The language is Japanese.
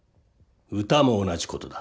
歌も同じことだ。